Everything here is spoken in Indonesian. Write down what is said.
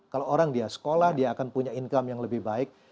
kalau orang dia sekolah dia akan punya income yang lebih baik